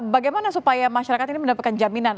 bagaimana supaya masyarakat ini mendapatkan jaminan